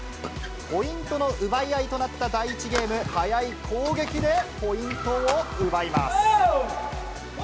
ポイントの奪い合いとなった第１ゲーム、速い攻撃でポイントを奪います。